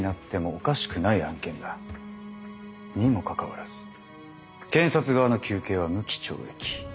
にもかかわらず検察側の求刑は無期懲役。